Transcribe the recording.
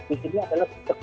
di sini adalah budeg